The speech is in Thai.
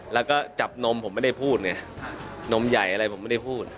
แล้วก็จับนมผมไม่ได้พูดไงนมใหญ่อะไรผมไม่ได้พูด